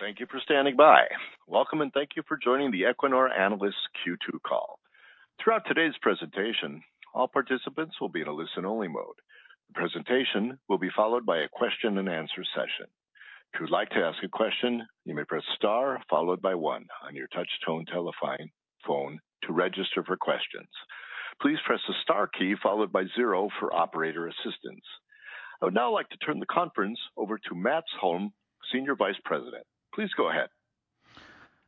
Thank you for standing by. Welcome and thank you for joining the Equinor analysts Q2 call. Throughout today's presentation, all participants will be in a listen-only mode. The presentation will be followed by a question and answer session. If you would like to ask a question, you may press star followed by one on your touch-tone telephone, phone to register for questions. Please press the star key followed by zero for operator assistance. I would now like to turn the conference over to Mads Holm, Senior Vice President. Please go ahead.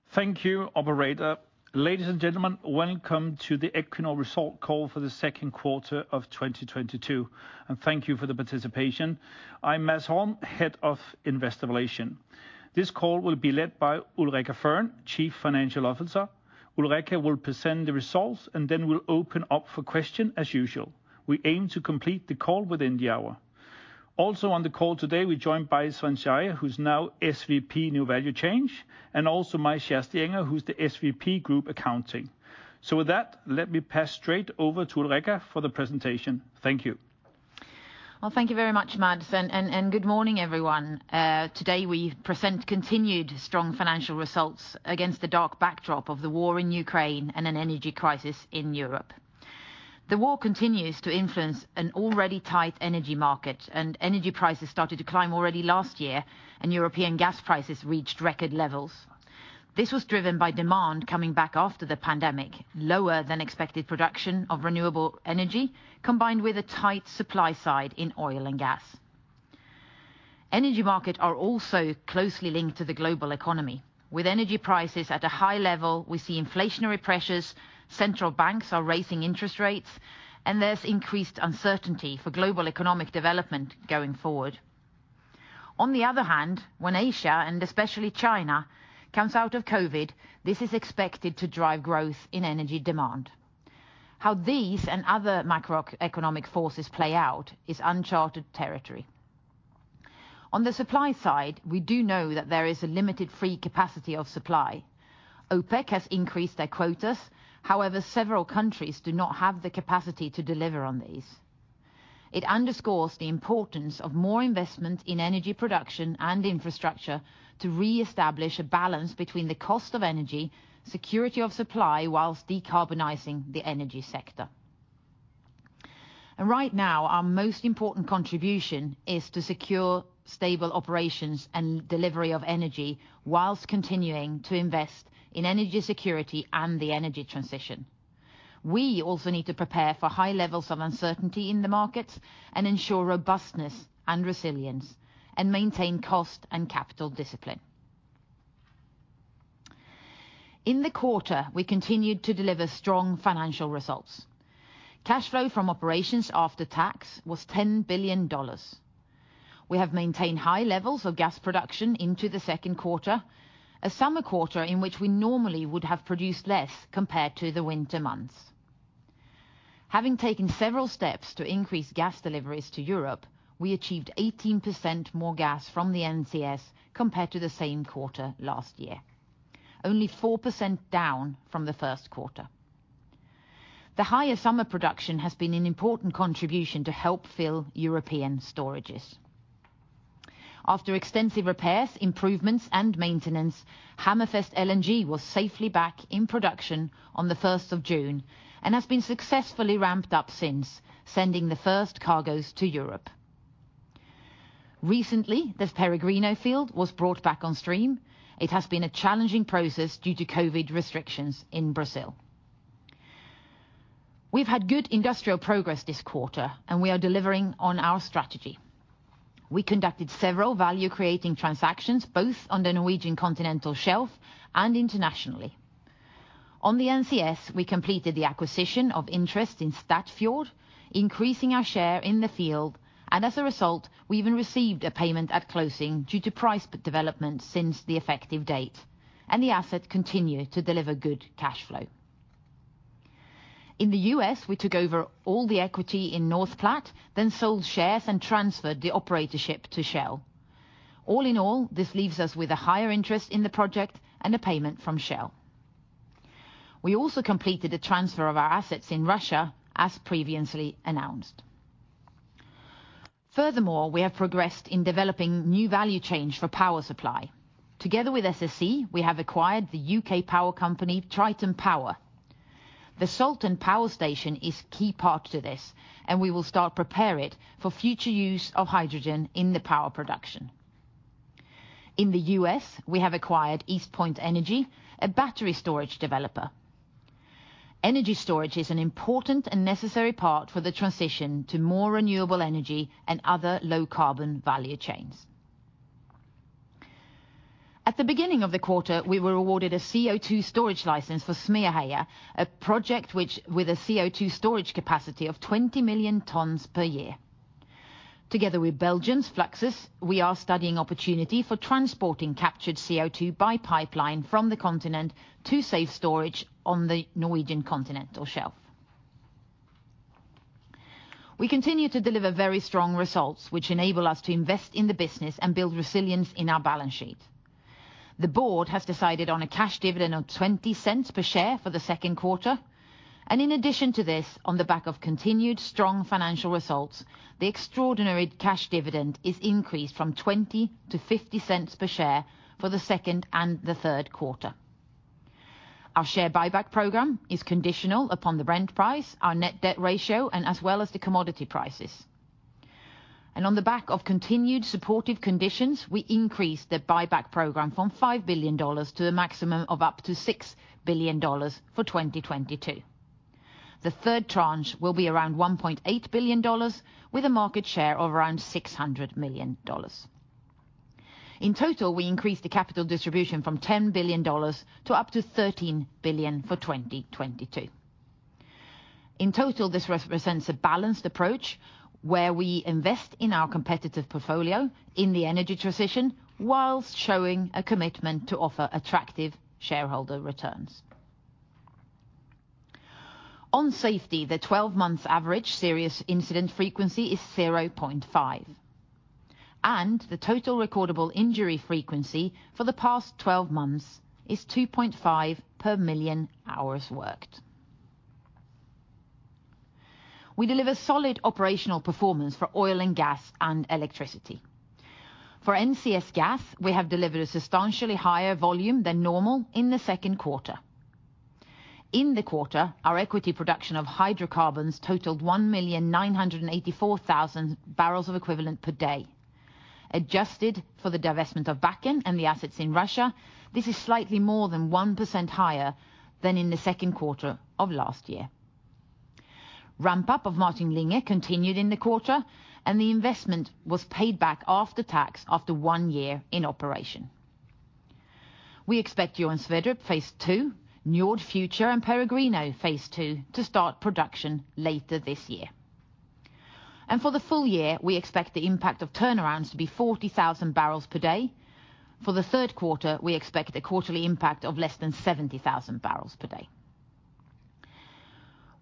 Thank you, operator. Ladies and gentlemen, welcome to the Equinor result call for the second quarter of 2022. Thank you for the participation. I'm Mads Holm, Head of Investor Relations. This call will be led by Ulrica Fearn, Chief Financial Officer. Ulrica will present the results, and then we'll open up for question as usual. We aim to complete the call within the hour. Also on the call today, we're joined by Svein Skeie, who's now SVP, New Value Chain, and also May-Kirsti Enger, who's the SVP Group Accounting. With that, let me pass straight over to Ulrica for the presentation. Thank you. Thank you very much, Mads, and good morning, everyone. Today we present continued strong financial results against the dark backdrop of the war in Ukraine and an energy crisis in Europe. The war continues to influence an already tight energy market, and energy prices started to climb already last year, and European gas prices reached record levels. This was driven by demand coming back after the pandemic, lower than expected production of renewable energy, combined with a tight supply side in oil and gas. Energy market are also closely linked to the global economy. With energy prices at a high level, we see inflationary pressures, central banks are raising interest rates, and there's increased uncertainty for global economic development going forward. On the other hand, when Asia, and especially China, comes out of COVID, this is expected to drive growth in energy demand. How these and other macroeconomic forces play out is uncharted territory. On the supply side, we do know that there is a limited free capacity of supply. OPEC has increased their quotas. However, several countries do not have the capacity to deliver on these. It underscores the importance of more investment in energy production and infrastructure to reestablish a balance between the cost of energy, security of supply while decarbonizing the energy sector. Right now, our most important contribution is to secure stable operations and delivery of energy while continuing to invest in energy security and the energy transition. We also need to prepare for high levels of uncertainty in the markets and ensure robustness and resilience and maintain cost and capital discipline. In the quarter, we continued to deliver strong financial results. Cash flow from operations after tax was $10 billion. We have maintained high levels of gas production into the second quarter, a summer quarter in which we normally would have produced less compared to the winter months. Having taken several steps to increase gas deliveries to Europe, we achieved 18% more gas from the NCS compared to the same quarter last year. Only 4% down from the first quarter. The higher summer production has been an important contribution to help fill European storages. After extensive repairs, improvements and maintenance, Hammerfest LNG was safely back in production on the first of June and has been successfully ramped up since sending the first cargos to Europe. Recently, the Peregrino field was brought back on stream. It has been a challenging process due to COVID restrictions in Brazil. We've had good industrial progress this quarter, and we are delivering on our strategy. We conducted several value-creating transactions, both on the Norwegian Continental Shelf and internationally. On the NCS, we completed the acquisition of interest in Statfjord, increasing our share in the field. As a result, we even received a payment at closing due to price developments since the effective date. The asset continued to deliver good cash flow. In the US, we took over all the equity in North Platte, then sold shares and transferred the operatorship to Shell. All in all, this leaves us with a higher interest in the project and a payment from Shell. We also completed the transfer of our assets in Russia as previously announced. Furthermore, we have progressed in developing new value chain for power supply. Together with SSE, we have acquired the U.K. power company, Triton Power. The Saltend power station is a key part of this, and we will start to prepare it for future use of hydrogen in the power production. In the U.S., we have acquired East Point Energy, a battery storage developer. Energy storage is an important and necessary part for the transition to more renewable energy and other low carbon value chains. At the beginning of the quarter, we were awarded a CO₂ storage license for Smeaheia, a project with a CO₂ storage capacity of 20 million tons per year. Together with Belgian Fluxys, we are studying the opportunity for transporting captured CO₂ by pipeline from the continent to safe storage on the Norwegian continental shelf. We continue to deliver very strong results, which enable us to invest in the business and build resilience in our balance sheet. The board has decided on a cash dividend of $0.20 per share for the second quarter. In addition to this, on the back of continued strong financial results, the extraordinary cash dividend is increased from $0.20-$0.50 per share for the second and the third quarter. Our share buyback program is conditional upon the Brent price, our net debt ratio, and as well as the commodity prices. On the back of continued supportive conditions, we increased the buyback program from $5 billion to a maximum of up to $6 billion for 2022. The third tranche will be around $1.8 billion with a market share of around $600 million. In total, we increased the capital distribution from $10 billion to up to $13 billion for 2022. In total, this represents a balanced approach where we invest in our competitive portfolio in the energy transition while showing a commitment to offer attractive shareholder returns. On safety, the 12-month average serious incident frequency is 0.5, and the total recordable injury frequency for the past 12 months is 2.5 per million hours worked. We deliver solid operational performance for oil and gas and electricity. For NCS gas, we have delivered a substantially higher volume than normal in the second quarter. In the quarter, our equity production of hydrocarbons totaled 1,984,000 barrels of oil equivalent per day. Adjusted for the divestment of Bakken and the assets in Russia, this is slightly more than 1% higher than in the second quarter of last year. Ramp-up of Martin Linge continued in the quarter, and the investment was paid back after tax after one year in operation. We expect Johan Sverdrup Phase 2, Njord Future, and Peregrino Phase two to start production later this year. For the full year, we expect the impact of turnarounds to be 40,000 barrels per day. For the third quarter, we expect a quarterly impact of less than 70,000 barrels per day.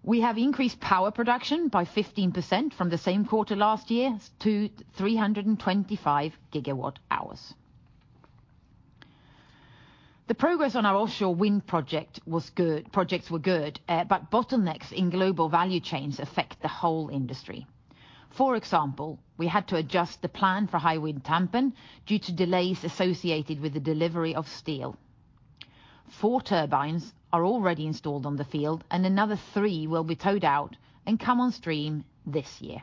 We have increased power production by 15% from the same quarter last year to 325 GWh. The progress on our offshore wind projects was good, but bottlenecks in global value chains affect the whole industry. For example, we had to adjust the plan for Hywind Tampen due to delays associated with the delivery of steel. 4 turbines are already installed on the field, and another 3 will be towed out and come on stream this year.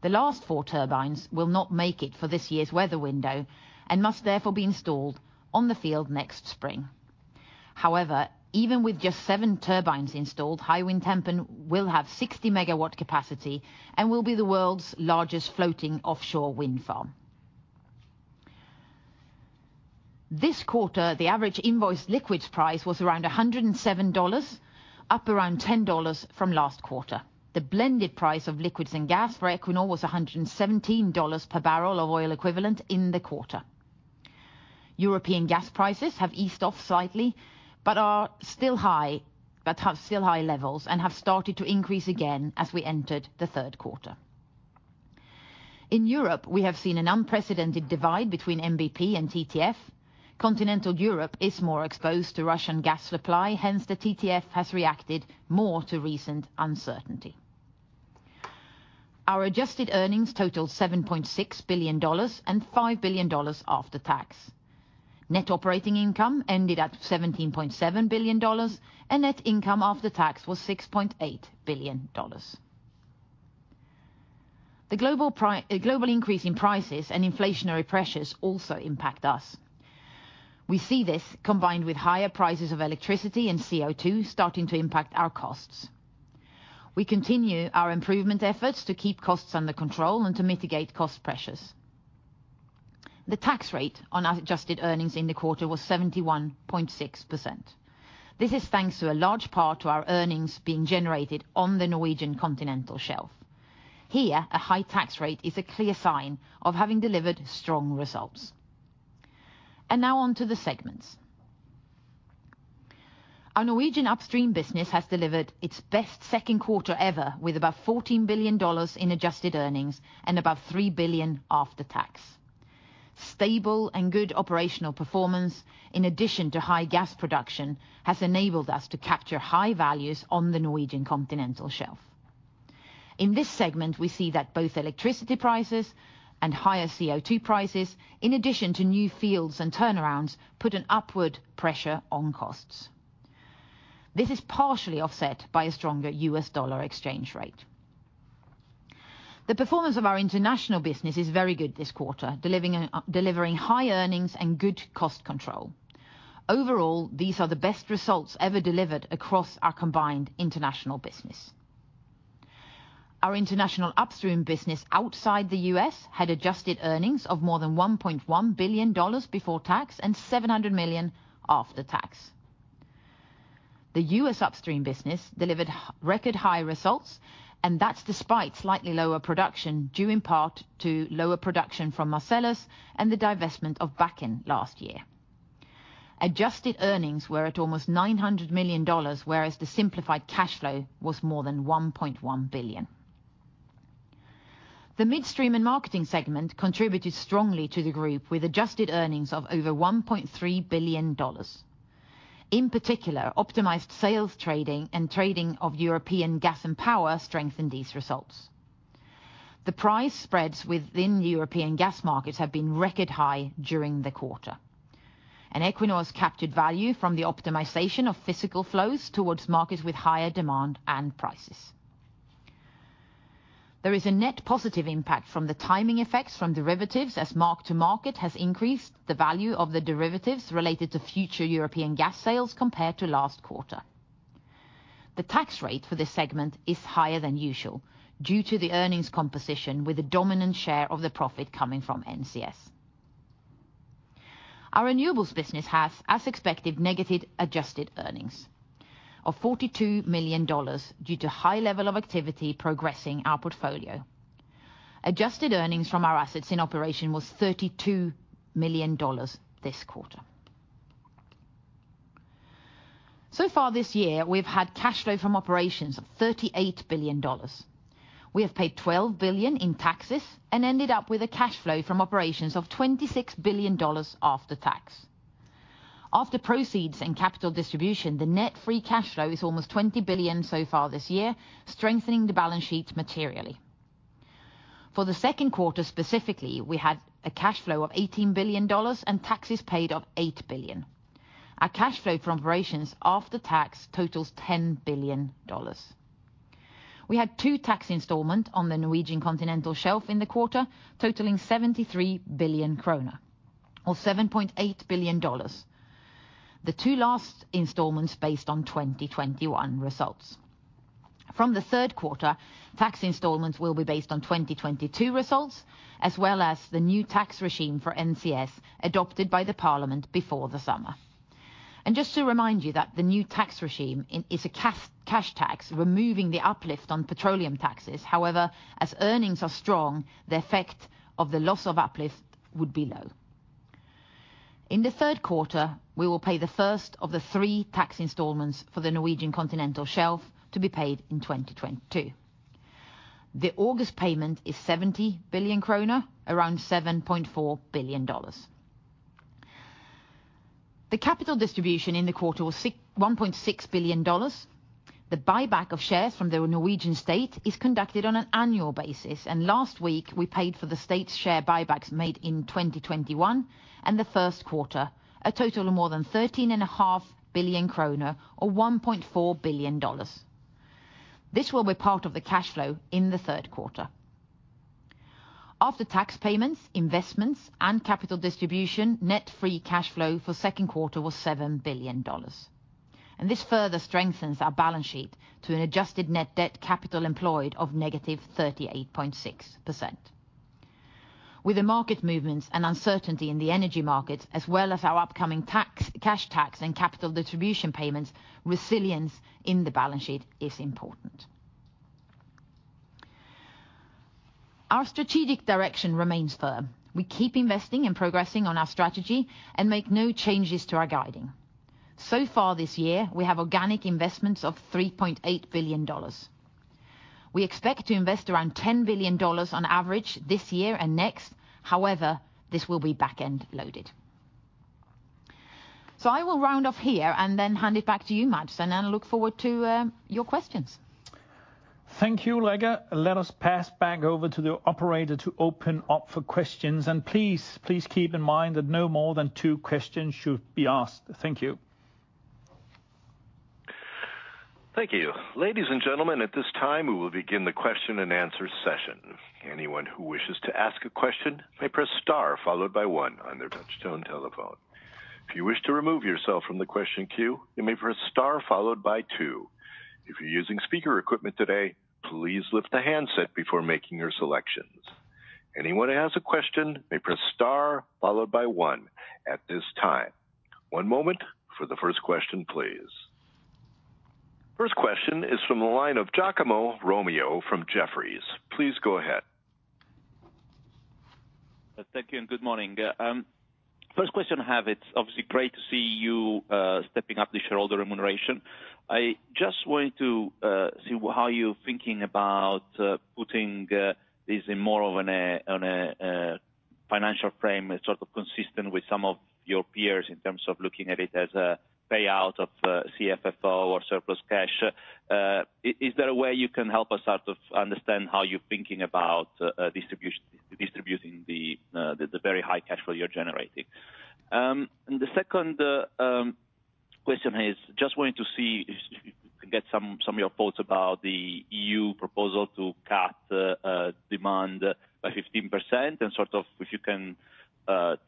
The last 4 turbines will not make it for this year's weather window and must therefore be installed on the field next spring. However, even with just 7 turbines installed, Hywind Tampen will have 60 MW capacity and will be the world's largest floating offshore wind farm. This quarter, the average invoice liquids price was around $107, up around $10 from last quarter. The blended price of liquids and gas for Equinor was $117 per barrel of oil equivalent in the quarter. European gas prices have eased off slightly, but are still at high levels and have started to increase again as we entered the third quarter. In Europe, we have seen an unprecedented divide between NBP and TTF. Continental Europe is more exposed to Russian gas supply, hence the TTF has reacted more to recent uncertainty. Our adjusted earnings totaled $7.6 billion and $5 billion after tax. Net operating income ended at $17.7 billion, and net income after tax was $6.8 billion. The global increase in prices and inflationary pressures also impact us. We see this combined with higher prices of electricity and CO₂ starting to impact our costs. We continue our improvement efforts to keep costs under control and to mitigate cost pressures. The tax rate on our adjusted earnings in the quarter was 71.6%. This is thanks to a large part to our earnings being generated on the Norwegian Continental Shelf. Here, a high tax rate is a clear sign of having delivered strong results. Now on to the segments. Our Norwegian Upstream business has delivered its best second quarter ever with about $14 billion in adjusted earnings and about $3 billion after tax. Stable and good operational performance in addition to high gas production has enabled us to capture high values on the Norwegian Continental Shelf. In this segment, we see that both electricity prices and higher CO₂ prices in addition to new fields and turnarounds put an upward pressure on costs. This is partially offset by a stronger US dollar exchange rate. The performance of our international business is very good this quarter, delivering high earnings and good cost control. Overall, these are the best results ever delivered across our combined international business. Our International Upstream business outside the U.S. had adjusted earnings of more than $1.1 billion before tax and $700 million after tax. The US Upstream business delivered record high results, and that's despite slightly lower production, due in part to lower production from Marcellus and the divestment of Bakken last year. Adjusted earnings were at almost $900 million, whereas the simplified cash flow was more than $1.1 billion. The Midstream & Marketing segment contributed strongly to the group with adjusted earnings of over $1.3 billion. In particular, optimized sales trading and trading of European gas and power strengthened these results. The price spreads within European gas markets have been record high during the quarter. Equinor's captured value from the optimization of physical flows towards markets with higher demand and prices. There is a net positive impact from the timing effects from derivatives as mark to market has increased the value of the derivatives related to future European gas sales compared to last quarter. The tax rate for this segment is higher than usual due to the earnings composition with a dominant share of the profit coming from NCS. Our renewables business has, as expected, negative adjusted earnings of $42 million due to high level of activity progressing our portfolio. Adjusted earnings from our assets in operation was $32 million this quarter. So far this year, we've had cash flow from operations of $38 billion. We have paid $12 billion in taxes and ended up with a cash flow from operations of $26 billion after tax. After proceeds and capital distribution, the net free cash flow is almost $20 billion so far this year, strengthening the balance sheet materially. For the second quarter, specifically, we had a cash flow of $18 billion and taxes paid of $8 billion. Our cash flow from operations after tax totals $10 billion. We had two tax installments on the Norwegian Continental Shelf in the quarter, totaling 73 billion kroner or $7.8 billion. The two last installments based on 2021 results. From the third quarter, tax installments will be based on 2022 results, as well as the new tax regime for NCS adopted by the parliament before the summer. Just to remind you that the new tax regime is a cash tax, removing the uplift on petroleum taxes. However, as earnings are strong, the effect of the loss of uplift would be low. In the third quarter, we will pay the first of the three tax installments for the Norwegian Continental Shelf to be paid in 2022. The August payment is 70 billion kroner, around $7.4 billion. The capital distribution in the quarter was $1.6 billion. The buyback of shares from the Norwegian state is conducted on an annual basis, and last week we paid for the state's share buybacks made in 2021 and the first quarter, a total of more than 13.5 billion kroner or $1.4 billion. This will be part of the cash flow in the third quarter. After tax payments, investments, and capital distribution, net free cash flow for second quarter was $7 billion. This further strengthens our balance sheet to an adjusted net debt capital employed of negative 38.6%. With the market movements and uncertainty in the energy markets, as well as our upcoming tax, cash tax, and capital distribution payments, resilience in the balance sheet is important. Our strategic direction remains firm. We keep investing and progressing on our strategy and make no changes to our guiding. So far this year, we have organic investments of $3.8 billion. We expect to invest around $10 billion on average this year and next. However, this will be back-end loaded. I will round off here and then hand it back to you, Mads Holm, and look forward to your questions. Thank you, Ulrica. Let us pass back over to the operator to open up for questions. Please, please keep in mind that no more than two questions should be asked. Thank you. Thank you. Ladies and gentlemen, at this time, we will begin the question and answer session. Anyone who wishes to ask a question may press star followed by one on their touchtone telephone. If you wish to remove yourself from the question queue, you may press star followed by two. If you're using speaker equipment today, please lift the handset before making your selections. Anyone who has a question may press star followed by one at this time. One moment for the first question, please. First question is from the line of Giacomo Romeo from Jefferies. Please go ahead. Thank you and good morning. First question I have, it's obviously great to see you stepping up the shareholder remuneration. I just wanted to see how you're thinking about putting this in more of an on a financial frame, sort of consistent with some of your peers in terms of looking at it as a payout of CFFO or surplus cash. Is there a way you can help us out to understand how you're thinking about distribution, distributing the very high cash flow you're generating? The second question is just wanting to see, get some of your thoughts about the EU proposal to cut demand by 15% and sort of if you can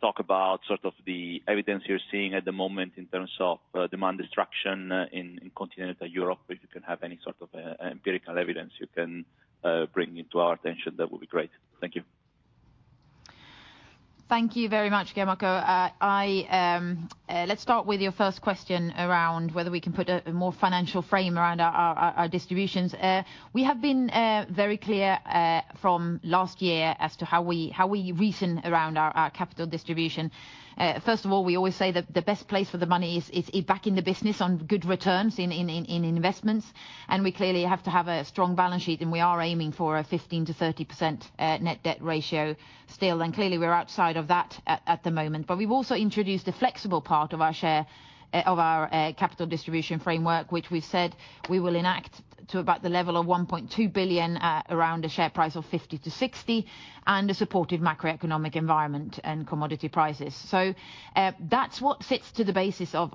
talk about sort of the evidence you're seeing at the moment in terms of demand destruction in continental Europe. If you can have any sort of empirical evidence you can bring into our attention, that would be great. Thank you. Thank you very much, Giacomo Romeo. Let's start with your first question around whether we can put a more financial frame around our distributions. We have been very clear from last year as to how we reason around our capital distribution. First of all, we always say the best place for the money is back in the business on good returns in investments. We clearly have to have a strong balance sheet, and we are aiming for a 15%-30% net debt ratio still. Clearly we're outside of that at the moment. We've also introduced the flexible part of our share of our capital distribution framework, which we've said we will enact to about the level of $1.2 billion around a share price of $50-$60, and a supportive macroeconomic environment and commodity prices. That's what sits to the basis of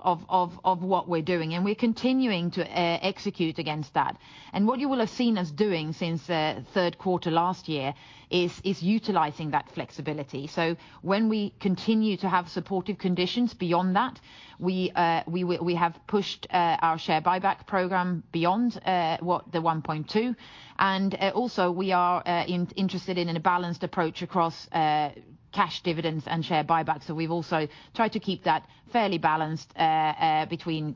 what we're doing, and we're continuing to execute against that. What you will have seen us doing since third quarter last year is utilizing that flexibility. When we continue to have supportive conditions beyond that, we have pushed our share buyback program beyond what the $1.2. Also we are interested in a balanced approach across cash dividends and share buybacks. We've also tried to keep that fairly balanced between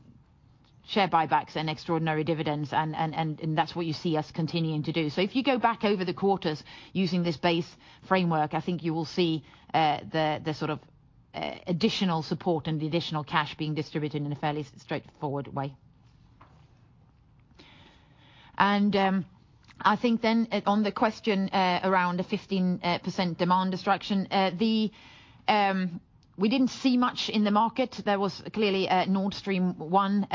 share buybacks and extraordinary dividends and that's what you see us continuing to do. If you go back over the quarters using this base framework, I think you will see the sort of additional support and the additional cash being distributed in a fairly straightforward way. I think then on the question around the 15% demand destruction. We didn't see much in the market. There was clearly Nord Stream 1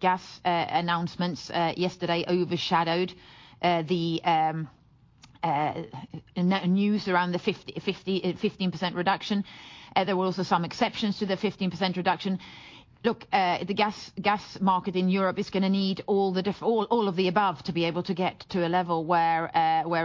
gas announcements yesterday overshadowed the news around the 15% reduction. There were also some exceptions to the 15% reduction. Look, the gas market in Europe is gonna need all of the above to be able to get to a level where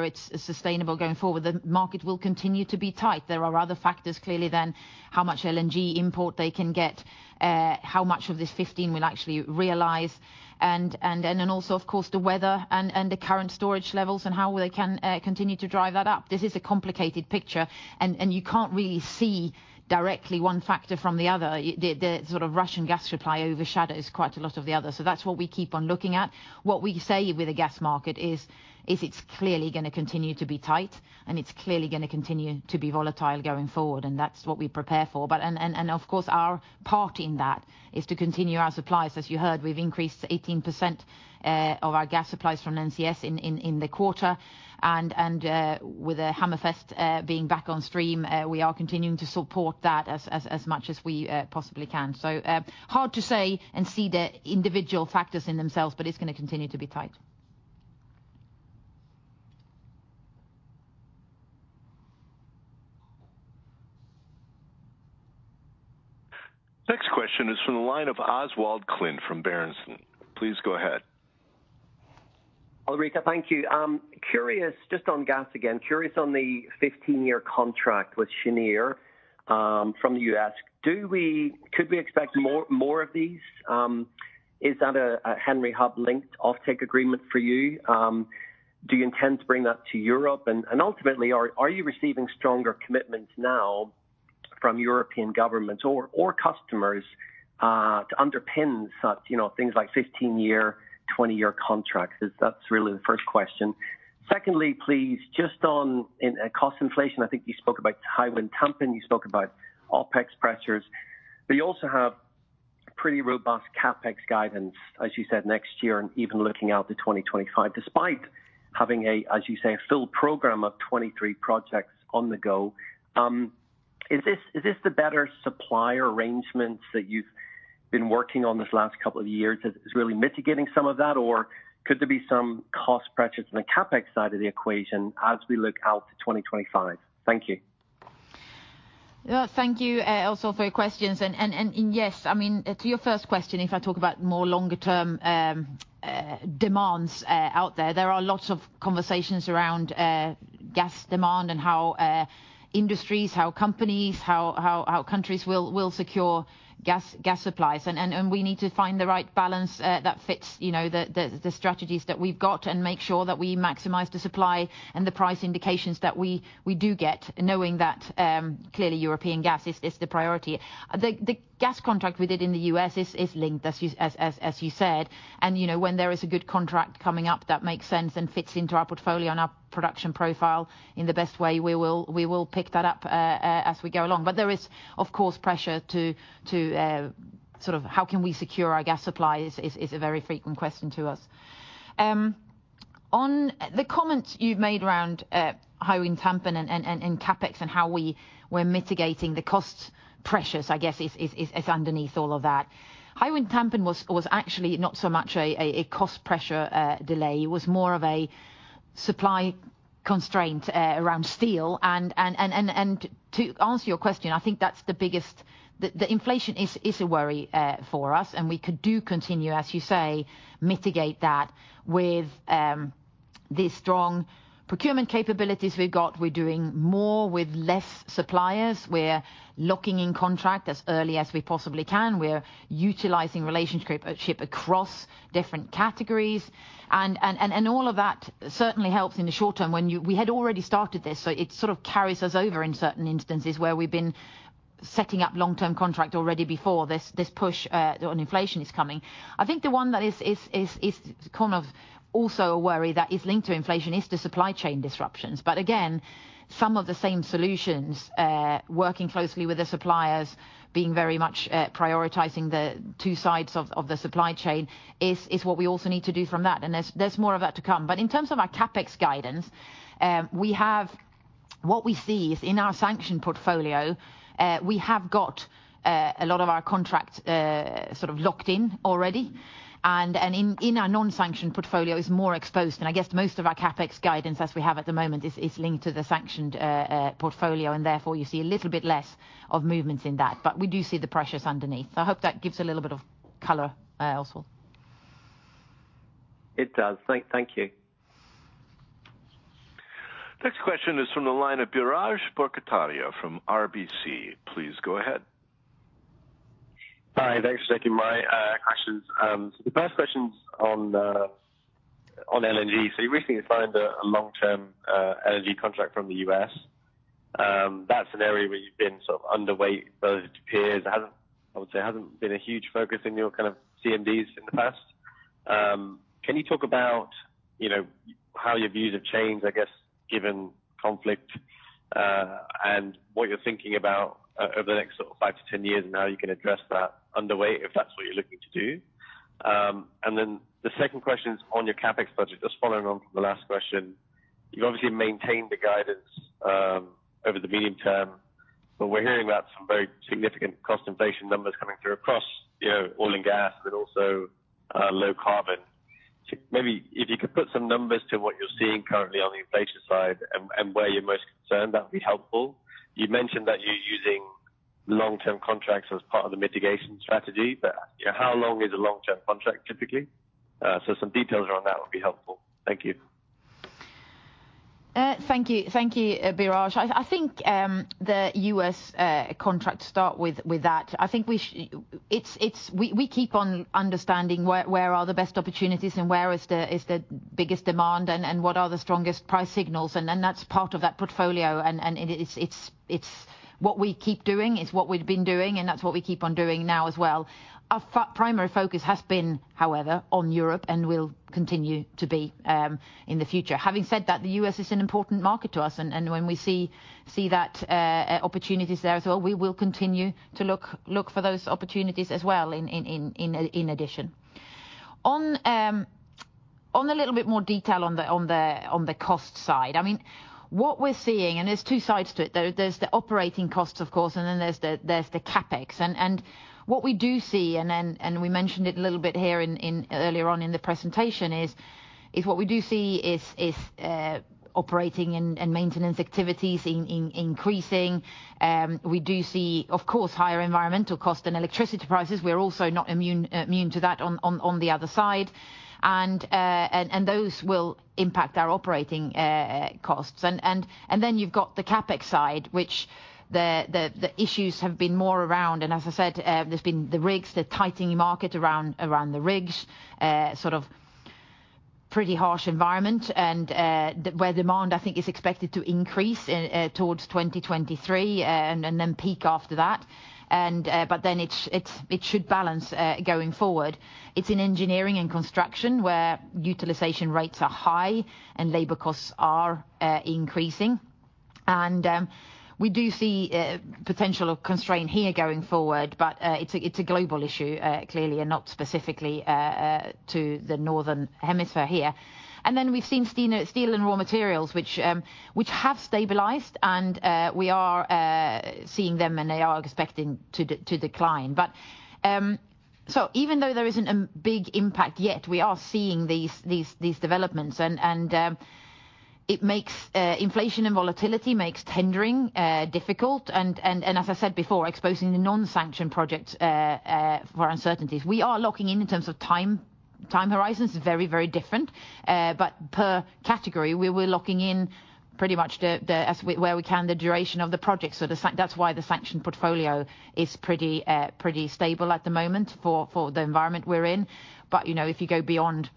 it's sustainable going forward. The market will continue to be tight. There are other factors clearly than how much LNG import they can get, how much of this 15 will actually realize, and then also, of course, the weather and the current storage levels and how well they can continue to drive that up. This is a complicated picture and you can't really see directly one factor from the other. The sort of Russian gas supply overshadows quite a lot of the others. That's what we keep on looking at. What we say with the gas market is it's clearly gonna continue to be tight, and it's clearly gonna continue to be volatile going forward, and that's what we prepare for. Of course our part in that is to continue our supplies. As you heard, we've increased 18% of our gas supplies from NCS in the quarter. With the Hammerfest being back on stream, we are continuing to support that as much as we possibly can. Hard to say and see the individual factors in themselves, but it's gonna continue to be tight. Next question is from the line of Oswald Clint from Bernstein. Please go ahead. Ulrica, thank you. Curious, just on gas again, curious on the 15-year contract with Cheniere Energy, from the U.S. Do we, could we expect more of these? Is that a Henry Hub linked offtake agreement for you? Do you intend to bring that to Europe? And ultimately, are you receiving stronger commitments now from European governments or customers to underpin such, you know, things like 15-year, 20-year contracts? That's really the first question. Secondly, please, just on, in, cost inflation, I think you spoke about Hywind Tampen, you spoke about OpEx pressures, but you also have pretty robust CapEx guidance, as you said next year, and even looking out to 2025, despite having, as you say, a full program of 23 projects on the go. Is this the better supplier arrangements that you've been working on these last couple of years is really mitigating some of that? Or could there be some cost pressures on the CapEx side of the equation as we look out to 2025? Thank you. Yeah. Thank you, also for your questions. Yes, I mean, to your first question, if I talk about more longer-term demands out there are lots of conversations around gas demand and how industries, how companies, how countries will secure gas supplies. We need to find the right balance that fits, you know, the strategies that we've got and make sure that we maximize the supply and the price indications that we do get, knowing that clearly European gas is the priority. The gas contract we did in the U.S. is linked, as you said. You know, when there is a good contract coming up that makes sense and fits into our portfolio and our production profile in the best way, we will pick that up as we go along. There is, of course, pressure to sort of how can we secure our gas supply is a very frequent question to us. On the comments you've made around Hywind Tampen and CapEx and how we were mitigating the cost pressures, I guess is underneath all of that. Hywind Tampen was actually not so much a cost pressure delay. It was more of a supply constraint around steel, and to answer your question, I think that's the biggest. The inflation is a worry for us, and we could continue, as you say, to mitigate that with the strong procurement capabilities we've got. We're doing more with less suppliers. We're locking in contracts as early as we possibly can. We're utilizing relationships across different categories. All of that certainly helps in the short term. We had already started this, so it sort of carries us over in certain instances where we've been setting up long-term contracts already before this push on inflation is coming. I think the one that is kind of also a worry that is linked to inflation is the supply chain disruptions. Again, some of the same solutions, working closely with the suppliers, being very much prioritizing the two sides of the supply chain is what we also need to do from that. There's more of that to come. In terms of our CapEx guidance, we have. What we see is in our sanctioned portfolio, we have got a lot of our contracts sort of locked in already. In our non-sanctioned portfolio is more exposed, and I guess most of our CapEx guidance as we have at the moment is linked to the sanctioned portfolio, and therefore, you see a little bit less of movements in that. We do see the pressures underneath. I hope that gives a little bit of color, also. It does. Thank you. Next question is from the line of Biraj Borkhataria from RBC. Please go ahead. Hi, thanks for taking my questions. The first question's on LNG. You recently signed a long-term LNG contract from the U.S. That's an area where you've been sort of underweight relative to peers. I would say it hasn't been a huge focus in your kind of CMDs in the past. Can you talk about, you know, how your views have changed, I guess, given conflict and what you're thinking about over the next sort of 5-10 years and how you can address that underweight, if that's what you're looking to do? The second question's on your CapEx budget. Just following on from the last question, you've obviously maintained the guidance over the medium term, but we're hearing about some very significant cost inflation numbers coming through across, you know, oil and gas, but also low carbon. So maybe if you could put some numbers to what you're seeing currently on the inflation side and where you're most concerned, that'd be helpful. You mentioned that you're using long-term contracts as part of the mitigation strategy, but, you know, how long is a long-term contract typically? So some details around that would be helpful. Thank you. Thank you. Thank you, Biraj. I think the U.S. contract to start with that, I think it's we keep on understanding where the best opportunities are and where the biggest demand is and what the strongest price signals are, and then that's part of that portfolio, and it's what we keep doing. It's what we've been doing, and that's what we keep on doing now as well. Our primary focus has been, however, on Europe and will continue to be in the future. Having said that, the U.S. is an important market to us, and when we see that opportunity's there as well, we will continue to look for those opportunities as well in addition. In a little bit more detail on the cost side, I mean, what we're seeing, and there's two sides to it, though. There's the operating costs of course, and then there's the CapEx. What we do see, we mentioned it a little bit here in earlier on in the presentation, is operating and maintenance activities increasing. We do see of course higher environmental cost and electricity prices. We're also not immune to that on the other side. Then you've got the CapEx side, which the issues have been more around. As I said, there's been a tightening market around the rigs, sort of a pretty harsh environment and where demand I think is expected to increase towards 2023, and then peak after that. It should balance going forward. It's in engineering and construction where utilization rates are high and labor costs are increasing. We do see potential of constraint here going forward, but it's a global issue clearly and not specifically to the Northern Hemisphere here. We've seen steel and raw materials which have stabilized, and we are seeing them and they are expecting to decline. Even though there isn't a big impact yet, we are seeing these developments. Inflation and volatility makes tendering difficult and as I said before, exposing the non-sanctioned projects to uncertainties. We are locking in terms of time horizons, very different. Per category we're locking in pretty much the as far as we can, the duration of the project. That's why the sanctioned portfolio is pretty stable at the moment for the environment we're in. You know, if you go beyond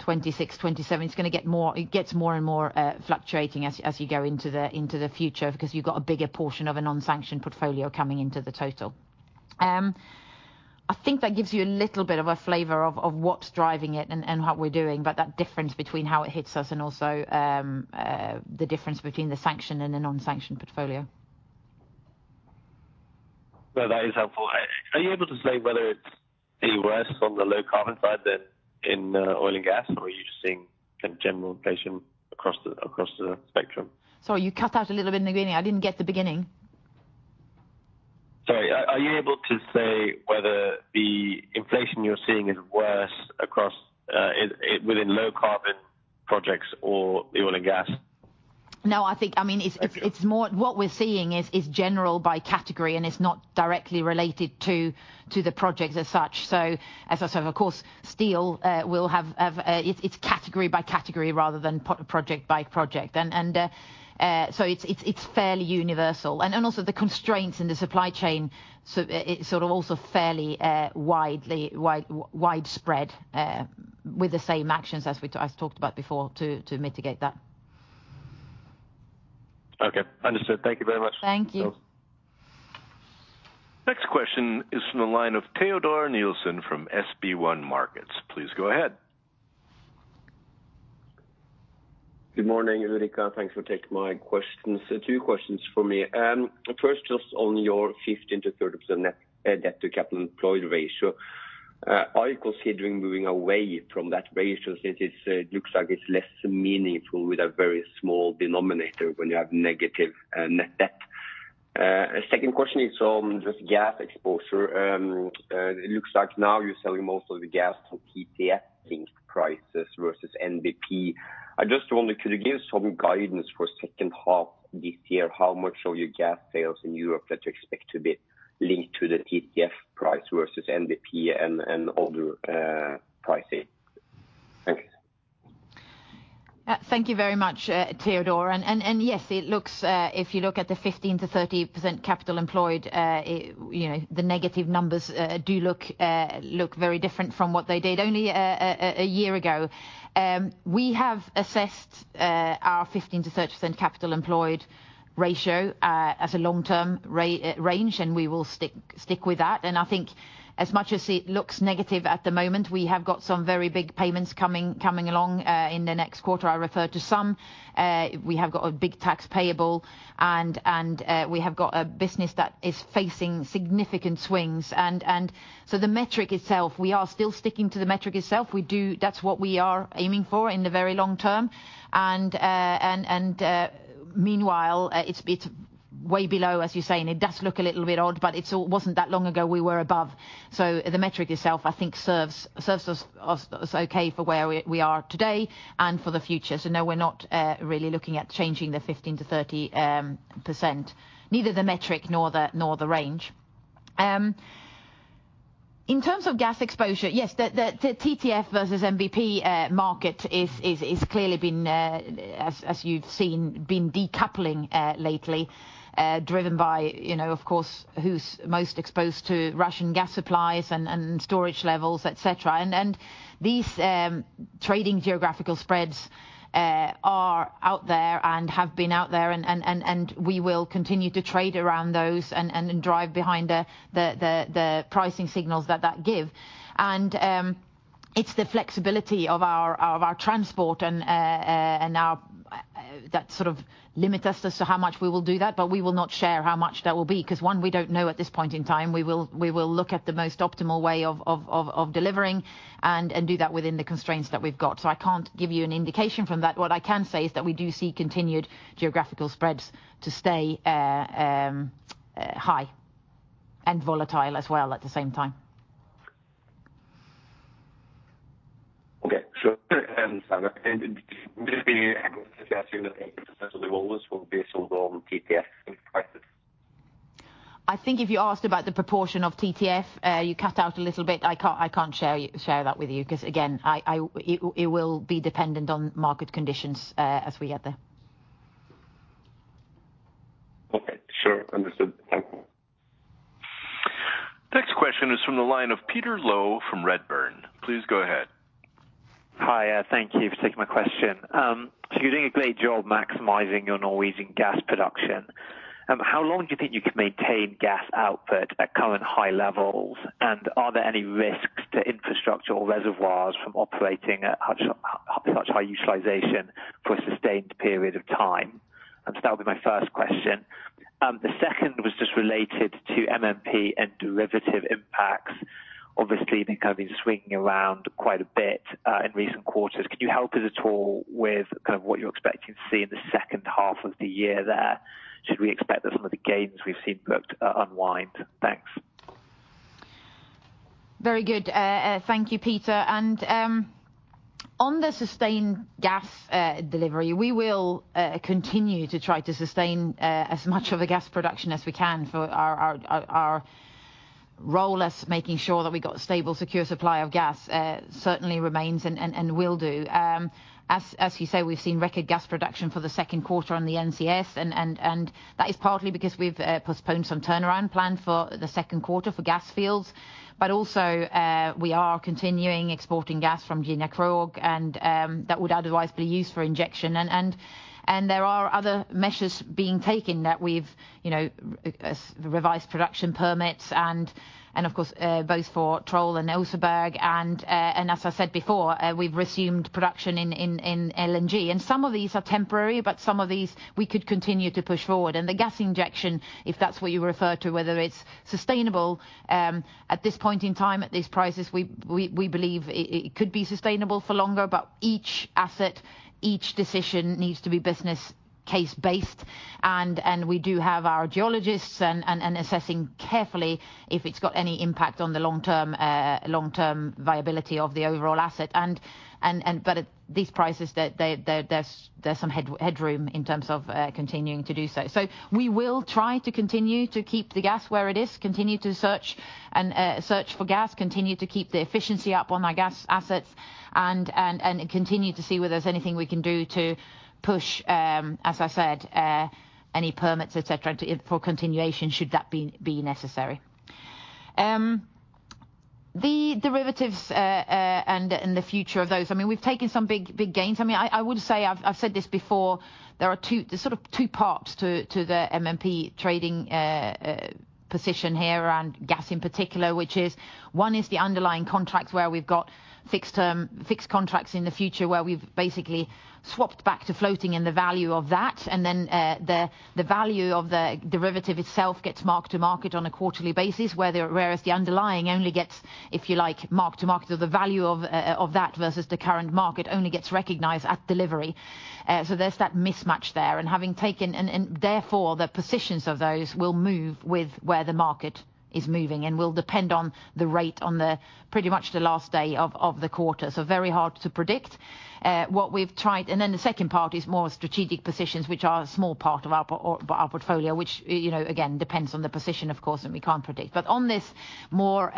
2026, 2027, it gets more and more fluctuating as you go into the future because you've got a bigger portion of a non-sanctioned portfolio coming into the total. I think that gives you a little bit of a flavor of what's driving it and what we're doing, but that difference between how it hits us and also the difference between the sanctioned and the non-sanctioned portfolio. No, that is helpful. Are you able to say whether it's any worse on the low carbon side than in oil and gas? Are you just seeing kind of general inflation across the spectrum? Sorry, you cut out a little bit in the beginning. I didn't get the beginning. Sorry. Are you able to say whether the inflation you're seeing is worse within low carbon projects or the oil and gas? No, I think, I mean, it's more. Okay. What we're seeing is general by category, and it's not directly related to the projects as such. As I said, of course, steel will have its category by category rather than per project by project. Also the constraints in the supply chain, so it's sort of also fairly widespread with the same actions as I talked about before to mitigate that. Okay, understood. Thank you very much. Thank you. Next question is from the line of Teodor Sveen-Nilsen from SB1 Markets. Please go ahead. Good morning, Ulrica. Thanks for taking my questions. Two questions from me. First, just on your 15%-30% net debt-to-capital employed ratio. Are you considering moving away from that ratio since it looks like it's less meaningful with a very small denominator when you have negative net debt? Second question is on just gas exposure. It looks like now you're selling most of the gas to TTF-linked prices versus NBP. I just wonder, could you give some guidance for second half this year, how much of your gas sales in Europe that you expect to be linked to the TTF price versus NBP and other pricing? Thanks. Thank you very much, Teodor. Yes, it looks, if you look at the 15%-30% capital employed, you know, the negative numbers do look very different from what they did only a year ago. We have assessed our 15%-30% capital employed ratio as a long-term range, and we will stick with that. I think as much as it looks negative at the moment, we have got some very big payments coming along in the next quarter. I referred to some. We have got a big tax payable and we have got a business that is facing significant swings. The metric itself, we are still sticking to the metric itself. That's what we are aiming for in the very long term. Meanwhile, it's way below, as you say, and it does look a little bit odd, but it wasn't that long ago we were above. The metric itself, I think serves us okay for where we are today and for the future. No, we're not really looking at changing the 15%-30%, neither the metric nor the range. In terms of gas exposure, yes, the TTF versus NBP market has clearly been, as you've seen, decoupling lately, driven by, you know, of course, who's most exposed to Russian gas supplies and storage levels, et cetera. These geographic trading spreads are out there and have been out there and we will continue to trade around those and drive behind the pricing signals that give. It's the flexibility of our transport and that sort of limit us as to how much we will do that, but we will not share how much that will be. 'Cause one, we don't know at this point in time. We will look at the most optimal way of delivering and do that within the constraints that we've got. I can't give you an indication from that. What I can say is that we do see continued geographic spreads to stay high and volatile as well at the same time. Okay. I think if you asked about the proportion of TTF, you cut out a little bit. I can't share that with you 'cause, again, it will be dependent on market conditions as we get there. Okay, sure. Understood. Thank you. Next question is from the line of Peter Lowe from Redburn. Please go ahead. Hi, thank you for taking my question. You're doing a great job maximizing your Norwegian gas production. How long do you think you can maintain gas output at current high levels? Are there any risks to infrastructure or reservoirs from operating at such high utilization for a sustained period of time? That would be my first question. The second was just related to MMP and derivative impacts. Obviously, they've kind of been swinging around quite a bit in recent quarters. Can you help us at all with kind of what you're expecting to see in the second half of the year there? Should we expect that some of the gains we've seen look to unwind? Thanks. Very good. Thank you, Peter. On the sustained gas delivery, we will continue to try to sustain as much of the gas production as we can for our role as making sure that we got stable, secure supply of gas, certainly remains and will do. As you say, we've seen record gas production for the second quarter on the NCS and that is partly because we've postponed some turnaround plan for the second quarter for gas fields. We are continuing exporting gas from Gina Krog and that would otherwise be used for injection. There are other measures being taken that we've you know revised production permits and of course both for Troll and Oseberg. As I said before, we've resumed production in LNG. Some of these are temporary, but some of these we could continue to push forward. The gas injection, if that's what you refer to, whether it's sustainable at this point in time, at these prices, we believe it could be sustainable for longer. Each asset, each decision needs to be business case based. We do have our geologists and assessing carefully if it's got any impact on the long-term viability of the overall asset. At these prices there's some headroom in terms of continuing to do so. We will try to continue to keep the gas where it is, continue to search for gas, continue to keep the efficiency up on our gas assets and continue to see whether there's anything we can do to push, as I said, any permits, et cetera, for continuation should that be necessary. The derivatives and the future of those. I mean, we've taken some big gains. I mean, I would say I've said this before, there's sort of two parts to the MMP trading position here around gas in particular. Which is one is the underlying contracts where we've got fixed term, fixed contracts in the future where we've basically swapped back to floating and the value of that. The value of the derivative itself gets mark to market on a quarterly basis, whereas the underlying only gets, if you like, mark to market, or the value of that versus the current market only gets recognized at delivery. There's that mismatch there. Therefore the positions of those will move with where the market is moving and will depend on the rate on pretty much the last day of the quarter. Very hard to predict what we've tried. The second part is more strategic positions, which are a small part of our portfolio, which, you know, again, depends on the position of course, and we can't predict. On this more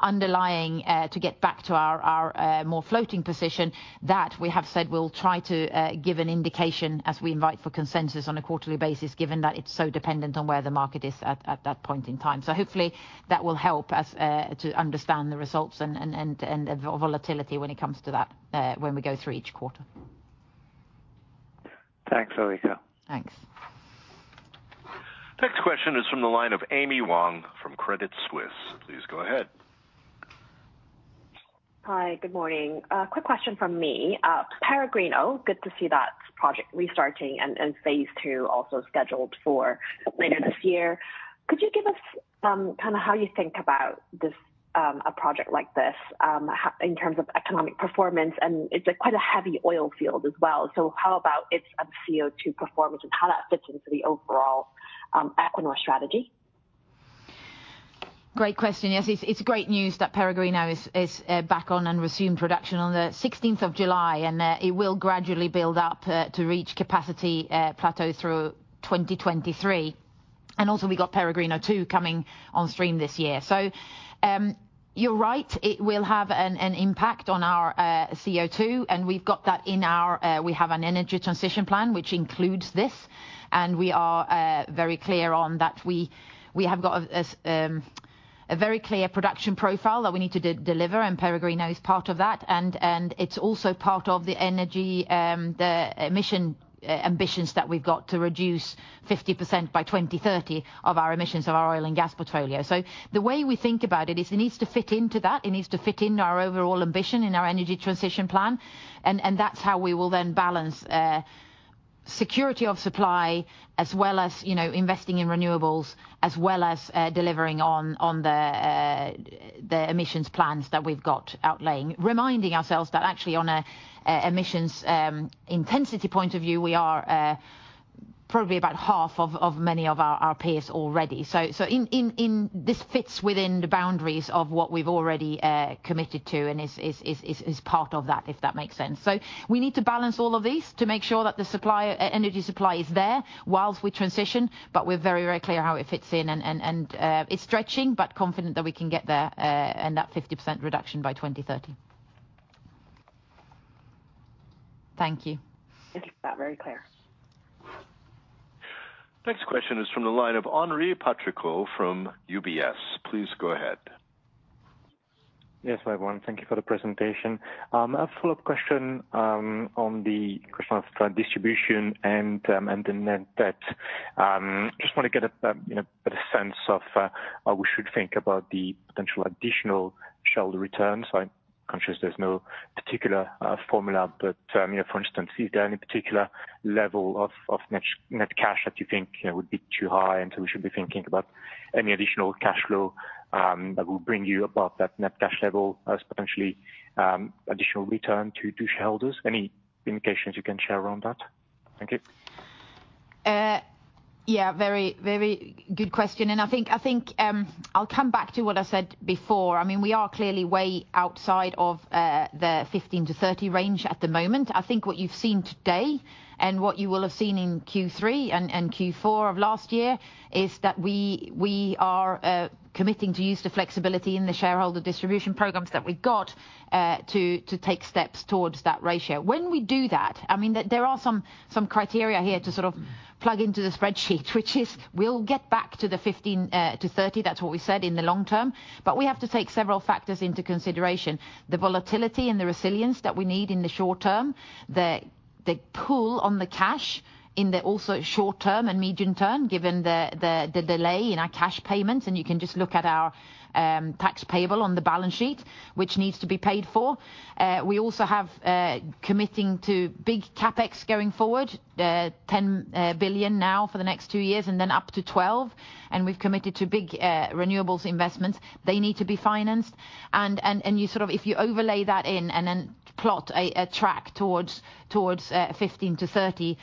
underlying to get back to our more floating position, that we have said we'll try to give an indication as we invite for consensus on a quarterly basis, given that it's so dependent on where the market is at that point in time. Hopefully that will help us to understand the results and volatility when it comes to that when we go through each quarter. Thanks, Ulrica. Thanks. Next question is from the line of Amy Wong from Credit Suisse. Please go ahead. Hi. Good morning. A quick question from me. Peregrino, good to see that project restarting and phase two also scheduled for later this year. Could you give us kind of how you think about this a project like this in terms of economic performance? It's, like, quite a heavy oil field as well. How about its CO₂ performance and how that fits into the overall Equinor strategy? Great question. Yes, it's great news that Peregrino is back on and resumed production on the 16th of July. It will gradually build up to reach capacity plateau through 2023. Also we got Peregrino 2 coming on stream this year. You're right, it will have an impact on our CO₂, and we've got that. We have an energy transition plan which includes this. We are very clear on that we have got a very clear production profile that we need to deliver, and Peregrino is part of that. It's also part of the emission ambitions that we've got to reduce 50% by 2030 of our emissions of our oil and gas portfolio. The way we think about it is it needs to fit into that. It needs to fit in our overall ambition in our energy transition plan. That's how we will then balance security of supply as well as, you know, investing in renewables as well as delivering on the emissions plans that we've got outlined. Reminding ourselves that actually on an emissions intensity point of view, we are probably about half of many of our peers already. This fits within the boundaries of what we've already committed to and is part of that, if that makes sense. We need to balance all of these to make sure that the supply, energy supply is there whilst we transition. We're very, very clear how it fits in. It's stretching but confident that we can get there, and that 50% reduction by 2030. Thank you. Thank you for that. Very clear. Next question is from the line of Henri Patricot from UBS. Please go ahead. Yes, everyone. Thank you for the presentation. A follow-up question on the question of distribution and the net debt. Just wanna get a you know, a better sense of how we should think about the potential additional shareholder returns. I'm conscious there's no particular formula, but you know, for instance, is there any particular level of net cash that you think would be too high and so we should be thinking about any additional cash flow that will bring you above that net cash level as potentially additional return to shareholders? Any indications you can share around that? Thank you. Yeah, very good question. I think I'll come back to what I said before. I mean, we are clearly way outside of the 15-30 range at the moment. I think what you've seen today, and what you will have seen in Q3 and Q4 of last year, is that we are committing to use the flexibility in the shareholder distribution programs that we've got to take steps towards that ratio. When we do that, I mean, there are some criteria here to sort of plug into the spreadsheet, which is we'll get back to the 15-30, that's what we said in the long term. We have to take several factors into consideration. The volatility and the resilience that we need in the short term. The pull on the cash in the short term and medium term also, given the delay in our cash payments, and you can just look at our tax payable on the balance sheet, which needs to be paid for. We also have commitments to big CapEx going forward. $10 billion now for the next two years, and then up to $12 billion. We've committed to big renewables investments. They need to be financed. You sort of, if you overlay that in and then plot a track towards 15-30,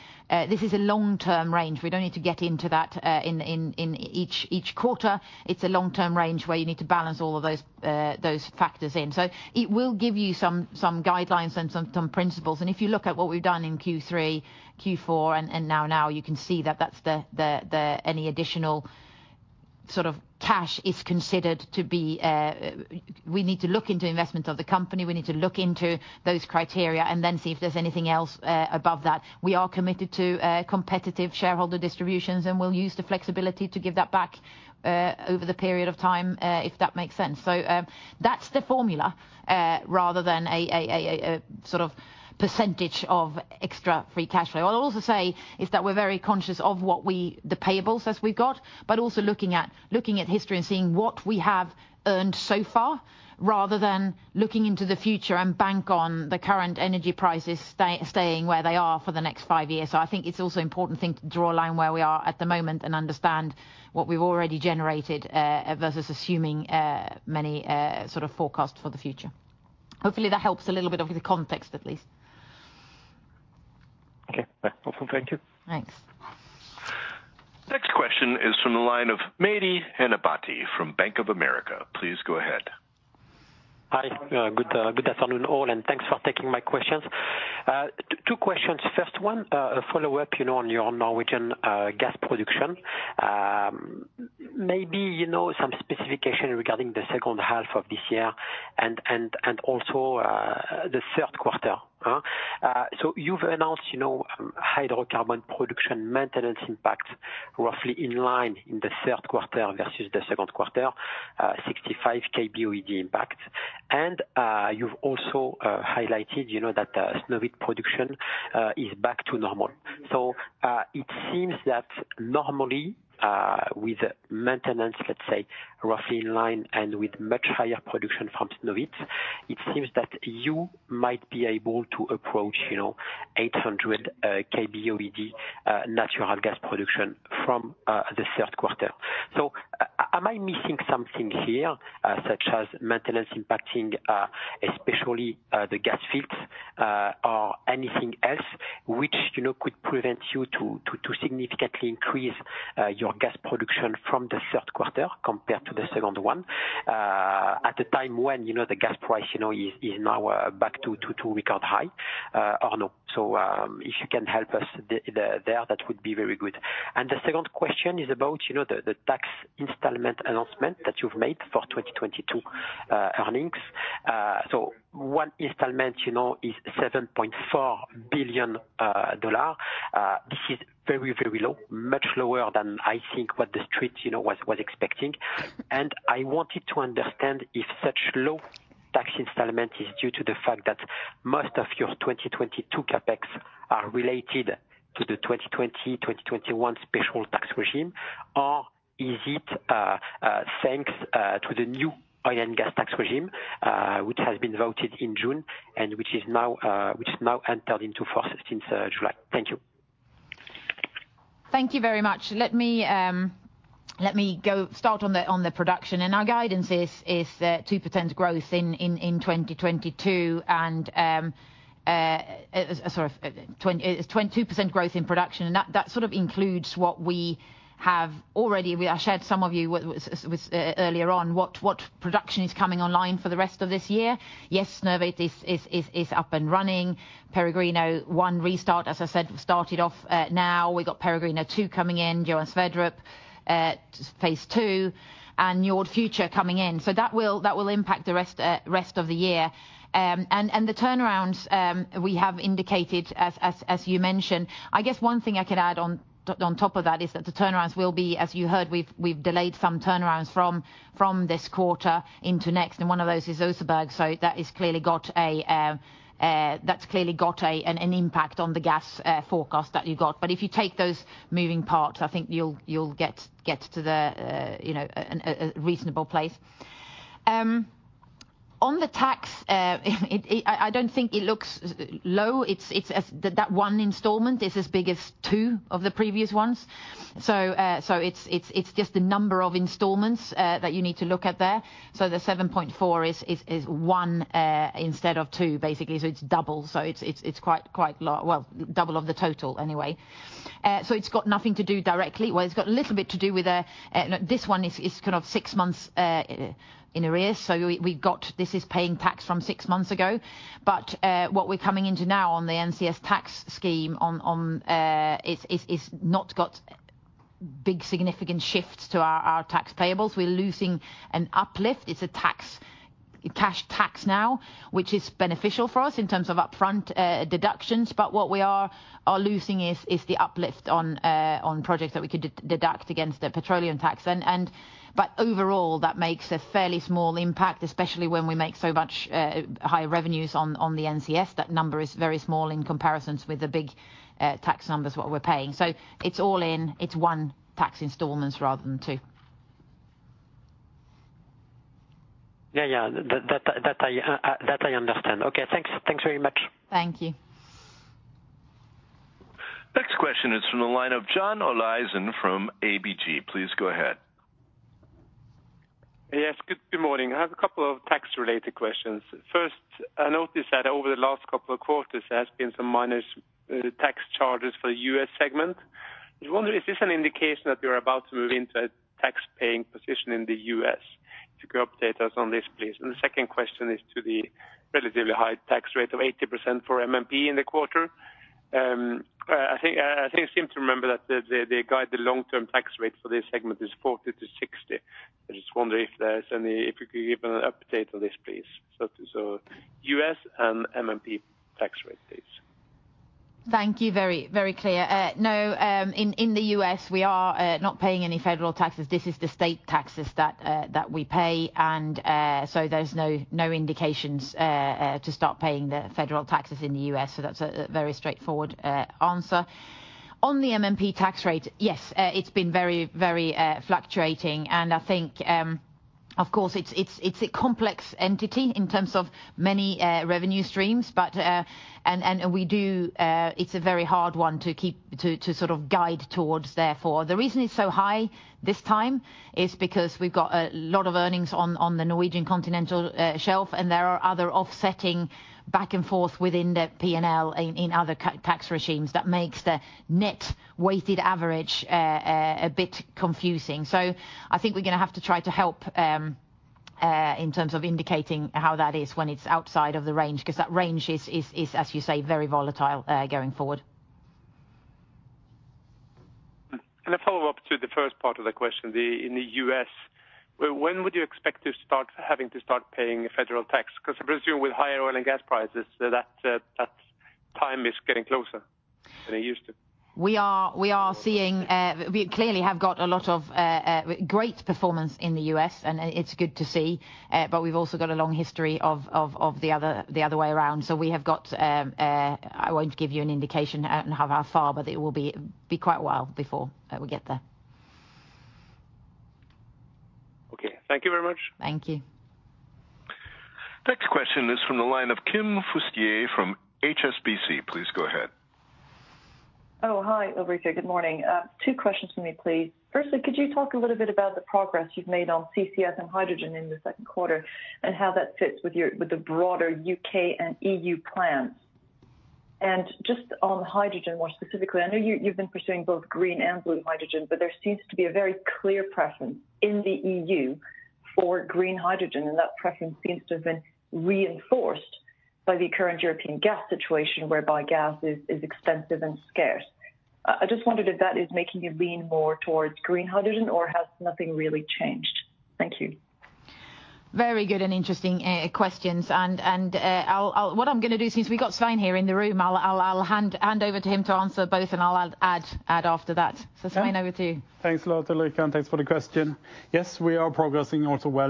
this is a long-term range. We don't need to get into that in each quarter. It's a long-term range where you need to balance all of those factors in. It will give you some guidelines and some principles. If you look at what we've done in Q3, Q4, and now, you can see that that's the any additional sort of cash is considered to be. We need to look into investments of the company. We need to look into those criteria and then see if there's anything else above that. We are committed to competitive shareholder distributions, and we'll use the flexibility to give that back over the period of time if that makes sense. That's the formula rather than a sort of percentage of extra free cash flow. What I'll also say is that we're very conscious of the payables as we've got, but also looking at history and seeing what we have earned so far rather than looking into the future and bank on the current energy prices staying where they are for the next five years. I think it's also important thing to draw a line where we are at the moment and understand what we've already generated versus assuming many sort of forecasts for the future. Hopefully that helps a little bit of the context at least. Okay. That's helpful. Thank you. Thanks. Next question is from the line of Mehdi Ennebati from Bank of America. Please go ahead. Hi. Good afternoon all, and thanks for taking my questions. Two questions. First one, a follow-up, you know, on your Norwegian gas production. Maybe you know some specification regarding the second half of this year and also the third quarter? You've announced, you know, hydrocarbon production maintenance impact roughly in line in the third quarter versus the second quarter, 65 kboe/d impact. You've also highlighted, you know, that Snøhvit production is back to normal. It seems that normally, with maintenance, let's say roughly in line and with much higher production from Snøhvit, it seems that you might be able to approach, you know, 800 kboe/d natural gas production from the third quarter. Am I missing something here, such as maintenance impacting, especially, the gas fields, or anything else which, you know, could prevent you to significantly increase your gas production from the third quarter compared to the second one, at the time when, you know, the gas price, you know, is now back to record high, or no? If you can help us there, that would be very good. The second question is about, you know, the tax installment announcement that you've made for 2022 earnings. One installment, you know, is $7.4 billion. This is very, very low, much lower than I think what the street, you know, was expecting. I wanted to understand if such low tax installment is due to the fact that most of your 2022 CapEx are related to the 2021 special tax regime. Is it thanks to the new oil and gas tax regime, which has been voted in June and which is now entered into force since July? Thank you. Thank you very much. Let me go start on the production. Our guidance is 2% growth in 2022. Sorry, 2% growth in production. That sort of includes what we have already. I shared some with you earlier on what production is coming online for the rest of this year. Yes, Snøhvit is up and running. Peregrino One restart, as I said, started now. We got Peregrino Two coming in, Johan Sverdrup Phase 2, and Njord Future coming in. That will impact the rest of the year. The turnarounds we have indicated, as you mentioned. I guess one thing I could add on top of that is that the turnarounds will be, as you heard, we've delayed some turnarounds from this quarter into next, and one of those is Oseberg. That has clearly got an impact on the gas forecast that you got. If you take those moving parts, I think you'll get to you know a reasonable place. On the tax, it. I don't think it looks low. That one installment is as big as two of the previous ones. It's just the number of installments that you need to look at there. The $7.4 is one instead of two, basically. It's double. It's quite low. Well, double of the total anyway. It's got nothing to do directly. Well, it's got a little bit to do with this one is kind of six months in arrears. We got this is paying tax from six months ago. What we're coming into now on the NCS tax scheme is not got big significant shifts to our tax payables. We're losing an uplift. It's cash tax now, which is beneficial for us in terms of upfront deductions. What we are losing is the uplift on projects that we could deduct against the petroleum tax. Overall, that makes a fairly small impact, especially when we make so much high revenues on the NCS. That number is very small in comparison with the big tax numbers, what we're paying. It's all in, it's one tax installment rather than two. Yeah, yeah. That I understand. Okay, thanks. Thanks very much. Thank you. Next question is from the line of John Olaisen from ABG. Please go ahead. Good morning. I have a couple of tax-related questions. First, I noticed that over the last couple of quarters, there has been some minus tax charges for the U.S. segment. I wonder, is this an indication that you're about to move into a tax-paying position in the U.S.? If you could update us on this, please. The second question is to the relatively high tax rate of 80% for MMP in the quarter. I think I seem to remember that the guide, the long-term tax rate for this segment is 40%-60%. If you could give an update on this, please. U.S. and MMP tax rate, please. Thank you. Very clear. No, in the U.S., we are not paying any federal taxes. This is the state taxes that we pay, and so there's no indications to start paying the federal taxes in the U.S. So that's a very straightforward answer. On the MMP tax rate, yes, it's been very fluctuating. I think, of course, it's a complex entity in terms of many revenue streams. It's a very hard one to keep to sort of guide towards therefore. The reason it's so high this time is because we've got a lot of earnings on the Norwegian Continental Shelf, and there are other offsetting back and forth within the PNL in other tax regimes that makes the net weighted average a bit confusing. I think we're gonna have to try to help in terms of indicating how that is when it's outside of the range, because that range is, as you say, very volatile going forward. A follow-up to the first part of the question. In the U.S., when would you expect to start having to pay federal tax? Because I presume with higher oil and gas prices, that time is getting closer than it used to. We are seeing, we clearly have got a lot of great performance in the U.S. and it's good to see. We've also got a long history of the other way around. We have got I won't give you an indication on how far, but it will be quite a while before we get there. Okay. Thank you very much. Thank you. Next question is from the line of Kim Fustier from HSBC. Please go ahead. Oh, hi Ulrica. Good morning. Two questions from me, please. Firstly, could you talk a little bit about the progress you've made on CCS and hydrogen in the second quarter, and how that fits with the broader U.K. and EU plans? Just on hydrogen, more specifically, I know you've been pursuing both green and blue hydrogen, but there seems to be a very clear preference in the EU for green hydrogen, and that preference seems to have been reinforced by the current European gas situation, whereby gas is expensive and scarce. I just wondered if that is making you lean more towards green hydrogen or has nothing really changed? Thank you. Very good and interesting questions. What I'm gonna do, since we got Svein here in the room, I'll hand over to him to answer both, and I'll add after that. Yeah. Svein, over to you. Thanks a lot, Ulrica, and thanks for the question. Yes, we are progressing also well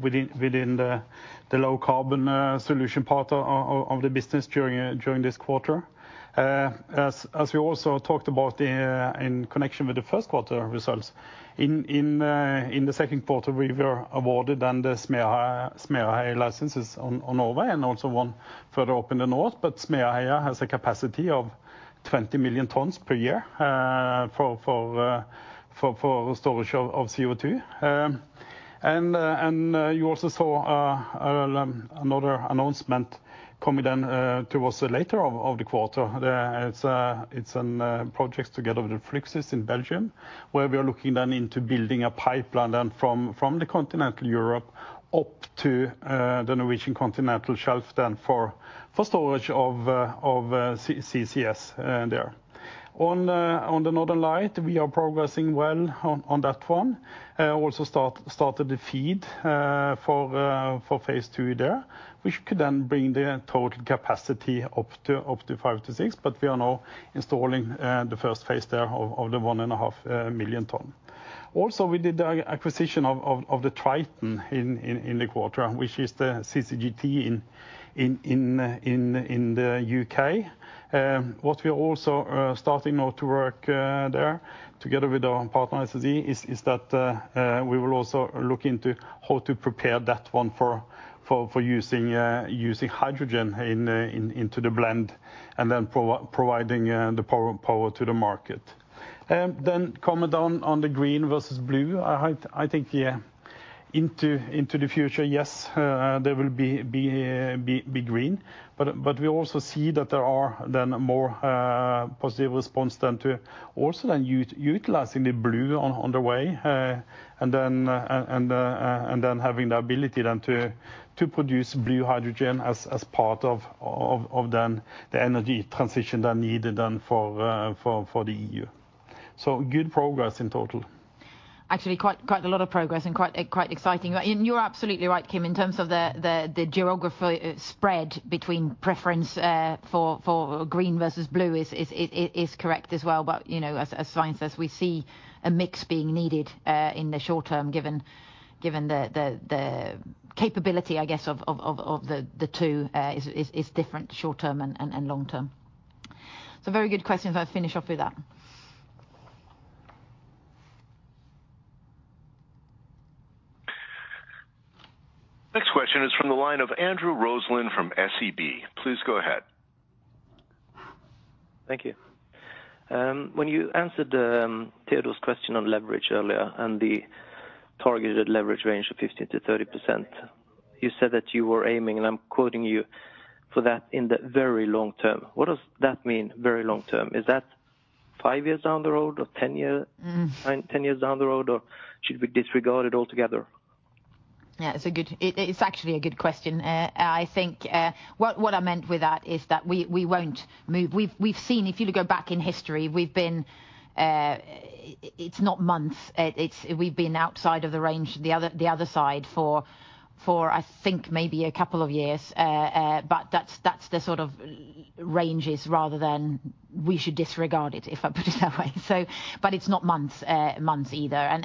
within the low carbon solution part of the business during this quarter. As we also talked about in connection with the first quarter results, in the second quarter, we were awarded the Smeaheia licenses in Norway and also one further up in the north. Smeaheia has a capacity of 20 million tons per year for storage of CO₂. You also saw another announcement coming then towards the latter part of the quarter. It's a project together with Fluxys in Belgium, where we are looking into building a pipeline from continental Europe up to the Norwegian Continental Shelf for storage of CO₂ CCS there. On the Northern Lights, we are progressing well on that one. Also started the FEED for phase two there, which could then bring the total capacity up to 5-6. We are now installing the first phase there of the 1.5 million ton. Also, we did the acquisition of the Triton in the quarter, which is the CCGT in the U.K. What we are also starting now to work there together with our partner SSE is that we will also look into how to prepare that one for using hydrogen into the blend, and then providing the power to the market. Then coming down on the green versus blue, I think, yeah, into the future, yes, there will be green. But we also see that there are then more positive response then to also then utilizing the blue on the way, and then having the ability then to produce blue hydrogen as part of then the energy transition then needed for the EU. Good progress in total. Actually, quite a lot of progress and quite exciting. You're absolutely right, Kim, in terms of the geography spread between preference for green versus blue is correct as well. You know, as Svein says, we see a mix being needed in the short term, given the capability, I guess, of the two is different short term and long term. Very good questions. I'll finish off with that. Next question is from the line of Andrew Roselund from SEB. Please go ahead. Thank you. When you answered Teodor's question on leverage earlier and the targeted leverage range of 15%-30%, you said that you were aiming, and I'm quoting you, for that in the very long term. What does that mean, very long term? Is that five years down the road, or 10 year- Mm. Ten years down the road, or should we disregard it altogether? Yeah, it's actually a good question. I think what I meant with that is that we won't move. We've seen, if you go back in history, we've been outside of the range, the other side for I think maybe a couple of years. But that's the sort of ranges rather than we should disregard it, if I put it that way. But it's not months either.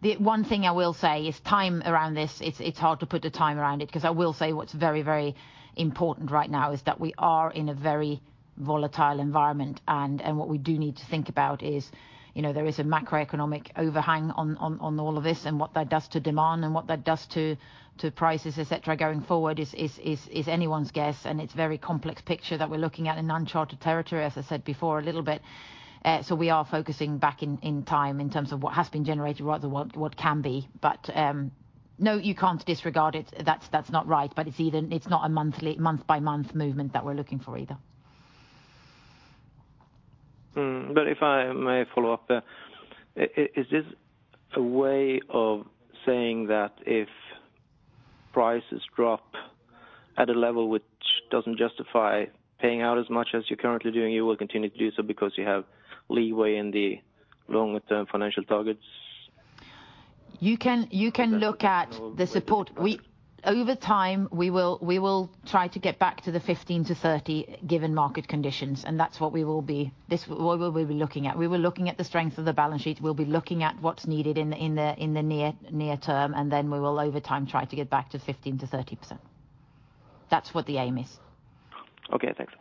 The one thing I will say is timing around this, it's hard to put a timing around it, 'cause I will say what's very, very important right now is that we are in a very volatile environment. What we do need to think about is, you know, there is a macroeconomic overhang on all of this and what that does to demand and what that does to prices, et cetera, going forward is anyone's guess. It's a very complex picture that we're looking at in uncharted territory, as I said before a little bit. We are focusing back in time in terms of what has been generated rather what can be. No, you can't disregard it. That's not right. It's either. It's not a monthly, month-by-month movement that we're looking for either. If I may follow up, is this a way of saying that if prices drop at a level which doesn't justify paying out as much as you're currently doing, you will continue to do so because you have leeway in the longer-term financial targets? You can look at the support. Over time, we will try to get back to 15%-30% given market conditions, and that's what we will be looking at. We were looking at the strength of the balance sheet. We'll be looking at what's needed in the near term, and then we will over time try to get back to 15%-30%. That's what the aim is. Okay, thanks.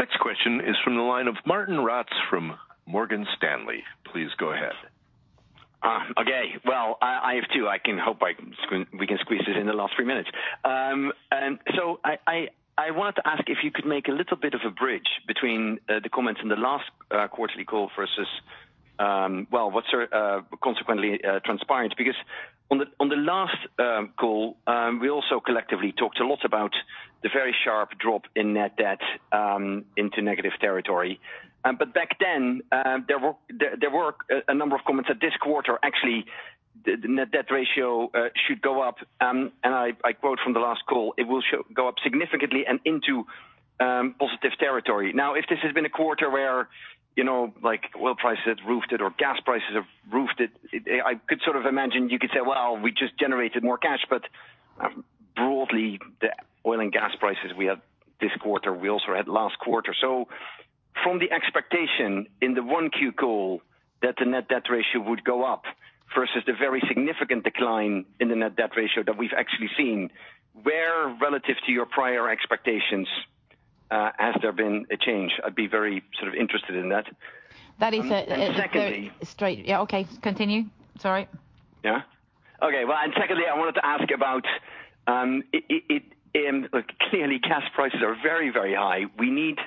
Next question is from the line of Martijn Rats from Morgan Stanley. Please go ahead. Okay. Well, I have two. I hope we can squeeze this in the last three minutes. I wanted to ask if you could make a little bit of a bridge between the comments in the last quarterly call versus well, what sort of consequently transpired. Because on the last call, we also collectively talked a lot about the very sharp drop in net debt into negative territory. Back then, there were a number of comments that this quarter actually the net debt ratio should go up, and I quote from the last call, "It will show. Go up significantly and into positive territory." Now, if this has been a quarter where, you know, like oil prices have roofed or gas prices have roofed, I could sort of imagine you could say, "Well, we just generated more cash," but broadly the oil and gas prices we had this quarter, we also had last quarter. From the expectation in the 1Q call that the net debt ratio would go up versus the very significant decline in the net debt ratio that we've actually seen, where relative to your prior expectations, has there been a change? I'd be very sort of interested in that. That is a. Secondly- Yeah, okay, continue. Sorry. Yeah. Okay. Well, secondly, I wanted to ask about it. Clearly gas prices are very, very high. We need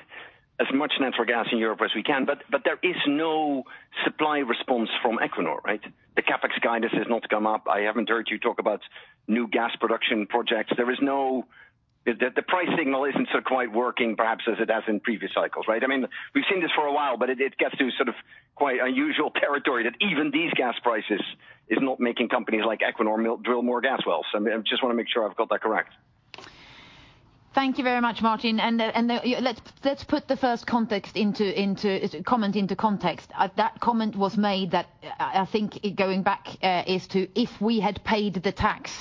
as much natural gas in Europe as we can, but there is no supply response from Equinor, right? The CapEx guidance has not come up. I haven't heard you talk about new gas production projects. The price signal isn't sort of quite working perhaps as it has in previous cycles, right? I mean, we've seen this for a while, but it gets to sort of quite unusual territory that even these gas prices is not making companies like Equinor drill more gas wells. I just wanna make sure I've got that correct. Thank you very much, Martijn. Let's put the first comment into context. The comment was made that, I think, going back, is to if we had paid the tax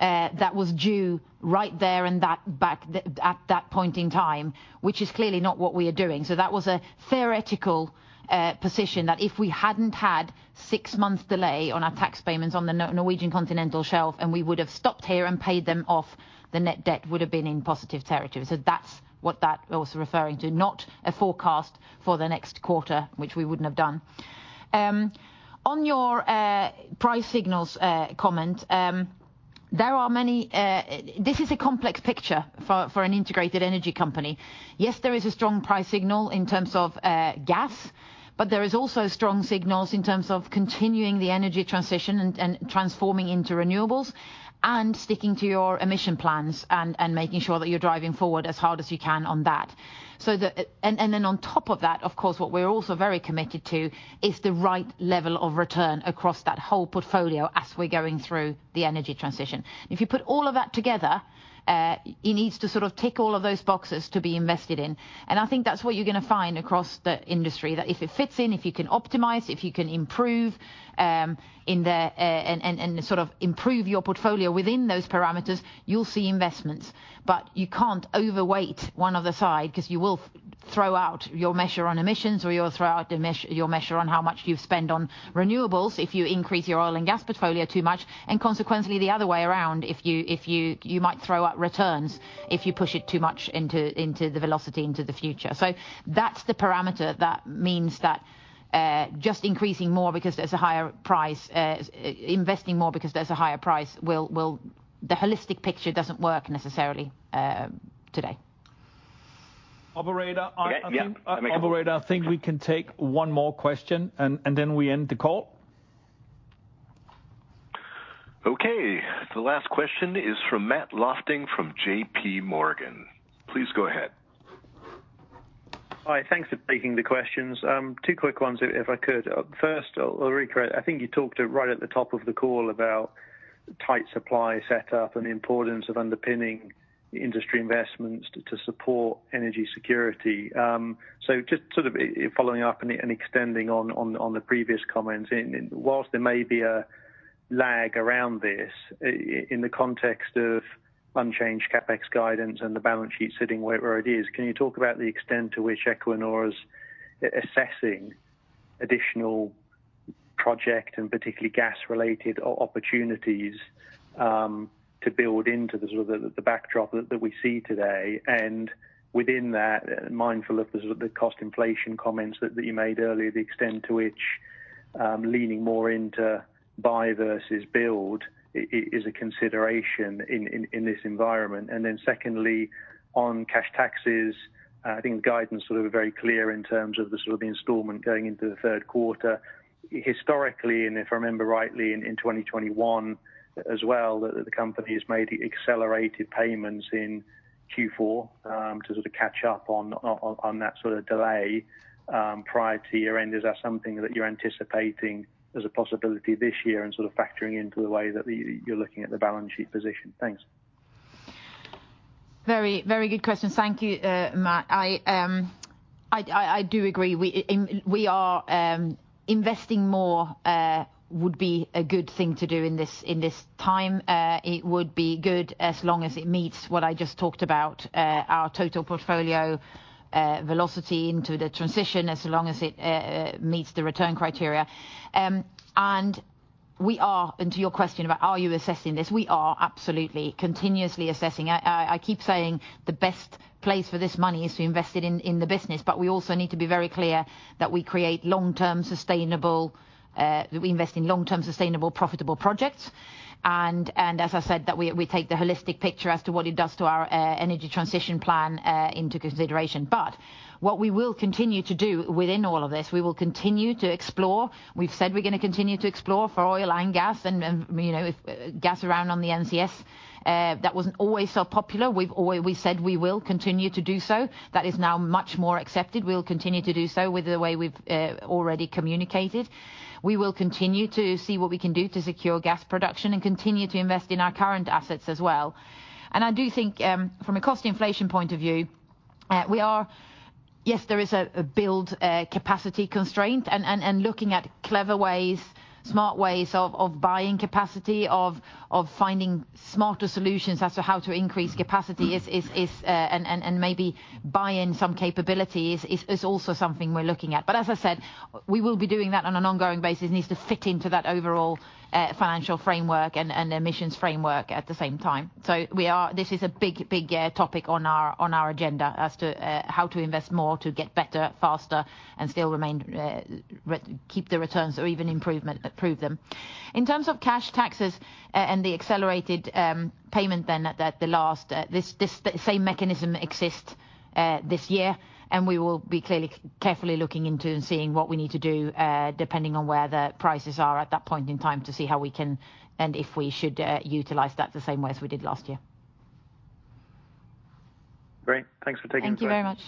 that was due right there and then back at that point in time, which is clearly not what we are doing. That was a theoretical position that if we hadn't had six months delay on our tax payments on the Norwegian continental shelf, and we would've stopped here and paid them off, the net debt would've been in positive territory. That's what that was also referring to, not a forecast for the next quarter, which we wouldn't have done. On your price signals comment, there are many. This is a complex picture for an integrated energy company. Yes, there is a strong price signal in terms of gas, but there is also strong signals in terms of continuing the energy transition and transforming into renewables and sticking to your emission plans and making sure that you're driving forward as hard as you can on that. Then on top of that, of course, what we're also very committed to is the right level of return across that whole portfolio as we're going through the energy transition. If you put all of that together, it needs to sort of tick all of those boxes to be invested in. I think that's what you're gonna find across the industry, that if it fits in, if you can optimize, if you can improve, sort of improve your portfolio within those parameters, you'll see investments. You can't overweight one other side 'cause you will throw out your measure on emissions or you'll throw out your measure on how much you spend on renewables if you increase your oil and gas portfolio too much. Consequently, the other way around, if you you might throw out returns if you push it too much into the velocity into the future. That's the parameter that means that just increasing more because there's a higher price, investing more because there's a higher price will. The holistic picture doesn't work necessarily today. Operator- Okay. Yeah. Operator, I think we can take one more question and then we end the call. The last question is from Matt Lofting from JPMorgan. Please go ahead. Hi. Thanks for taking the questions. Two quick ones if I could. First, I'll reiterate. I think you talked right at the top of the call about tight supply setup and the importance of underpinning industry investments to support energy security. So just sort of following up and extending on the previous comments. Whilst there may be a lag around this in the context of unchanged CapEx guidance and the balance sheet sitting wherever it is, can you talk about the extent to which Equinor is assessing additional project, and particularly gas-related opportunities, to build into the sort of the backdrop that we see today? Within that, mindful of the sort of cost inflation comments that you made earlier, the extent to which leaning more into buy versus build is a consideration in this environment. Then secondly, on cash taxes, I think the guidance sort of very clear in terms of the sort of installment going into the third quarter. Historically, if I remember rightly in 2021 as well, the company has made accelerated payments in Q4 to sort of catch up on that sort of delay prior to year-end. Is that something that you're anticipating as a possibility this year and sort of factoring into the way that you're looking at the balance sheet position? Thanks. Very, very good questions. Thank you, Matt. I do agree. We are investing more would be a good thing to do in this time. It would be good as long as it meets what I just talked about, our total portfolio velocity into the transition, as long as it meets the return criteria. To your question about are you assessing this, we are absolutely continuously assessing. I keep saying the best place for this money is to invest it in the business, but we also need to be very clear that we invest in long-term, sustainable, profitable projects. As I said, we take the holistic picture as to what it does to our energy transition plan into consideration. What we will continue to do within all of this, we will continue to explore. We've said we're gonna continue to explore for oil and gas and, you know, gas around on the NCS. That wasn't always so popular. We said we will continue to do so. That is now much more accepted. We'll continue to do so with the way we've already communicated. We will continue to see what we can do to secure gas production and continue to invest in our current assets as well. I do think from a cost inflation point of view, we are... Yes, there is a build capacity constraint and looking at clever ways, smart ways of buying capacity, of finding smarter solutions as to how to increase capacity is, and maybe buy in some capabilities is also something we're looking at. As I said, we will be doing that on an ongoing basis. It needs to fit into that overall financial framework and emissions framework at the same time. This is a big topic on our agenda as to how to invest more to get better faster and still remain to keep the returns or even improve them. In terms of cash taxes and the accelerated payment then at the last this the same mechanism exists this year, and we will be clearly carefully looking into and seeing what we need to do, depending on where the prices are at that point in time to see how we can and if we should utilize that the same way as we did last year. Great. Thanks for taking the time. Thank you very much.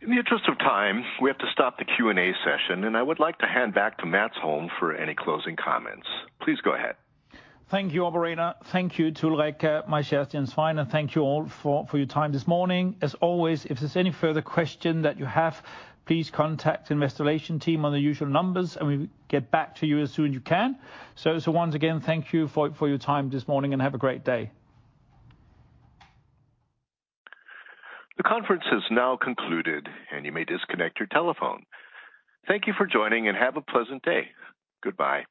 In the interest of time, we have to stop the Q&A session, and I would like to hand back to Mads Holm for any closing comments. Please go ahead. Thank you, operator. Thank you to Ulrica, my Svein, thank you all for your time this morning. As always, if there's any further question that you have, please contact Investor Relations team on the usual numbers and we will get back to you as soon as we can. Once again, thank you for your time this morning and have a great day. The conference has now concluded, and you may disconnect your telephone. Thank you for joining and have a pleasant day. Goodbye.